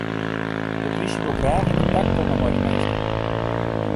De polysje wol graach yn kontakt komme mei dy minsken.